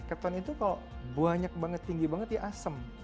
keton itu kalau banyak banget tinggi banget ya asem